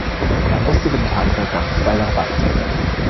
Er musste dem Tagebau Garzweiler weichen.